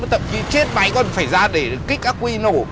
tậm chí chết máy còn phải ra để kích ác huy nổ